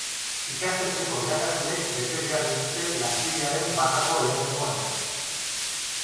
Ikastetxeko irakasleek bete behar dituzte lankidearen bajako lehenengo egunak.